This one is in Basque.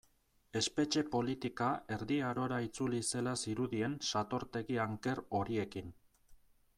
Espetxe politika Erdi Arora itzuli zela zirudien satortegi anker horiekin.